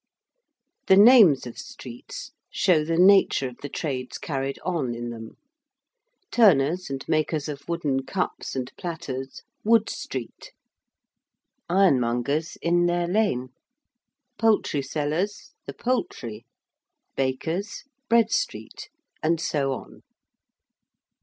The names of streets show the nature of the trades carried on in them. Turners and makers of wooden cups and platters, Wood Street: ironmongers, in their Lane: poultry sellers, the Poultry: bakers, Bread Street: and so on.